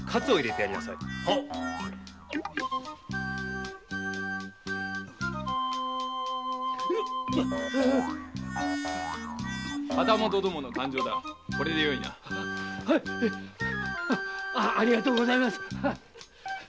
ありがとうございます。